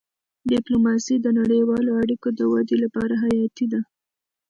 ډيپلوماسي د نړیوالو اړیکو د ودې لپاره حیاتي ده.